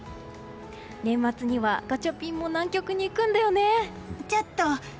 年末にはガチャピンも南極に行くんだよね。